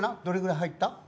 どれぐらい入った？